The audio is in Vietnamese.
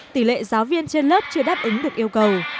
tỷ lệ giáo viên trên lớp chưa đáp ứng được yêu cầu